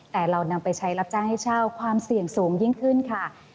แต่เรานำไปใช้รับจ้างให้เช่าความเสี่ยงสูงยิ่งขึ้นค่ะ